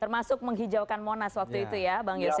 termasuk menghijaukan monas waktu itu ya bang yos ya